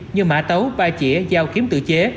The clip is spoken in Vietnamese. như mã tấu ba chỉa dao kiếm tự chế